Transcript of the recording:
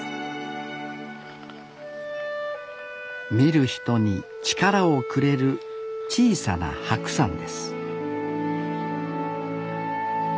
見る人に力をくれる小さな白山です